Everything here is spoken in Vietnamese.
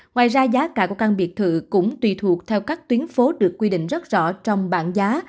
ngoài ra giá cả của căn biệt thự cũng tùy thuộc theo các tuyến phố được quy định rất rõ trong bảng giá